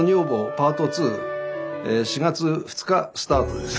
パート２４月２日スタートです。